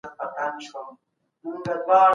هغه د هغوی موخې هم بیانوي.